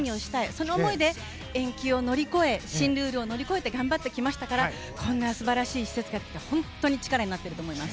その思い出、延期を乗り越え新ルールを乗り越えて頑張ってきましたからこんな素晴らしい施設ができて本当に力になっていると思います。